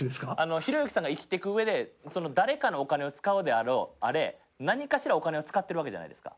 ひろゆきさんが生きていくうえで誰かのお金を使うであれ何かしらお金を使ってるわけじゃないですか。